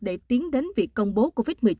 để tiến đến việc công bố covid một mươi chín